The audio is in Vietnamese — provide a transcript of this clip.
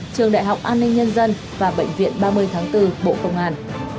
trường đại học an ninh nhân dân và bệnh viện ba mươi tháng bốn bộ công an